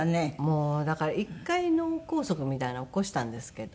もうだから１回脳梗塞みたいなのを起こしたんですけど。